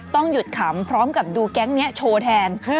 ต้องหยุดขำพร้อมกับดูแก๊งนี้โชว์แทน